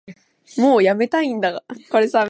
もうやめたいんだが